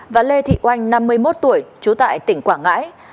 và lê thị oanh năm mươi một tuổi chú tại tỉnh quảng ngãi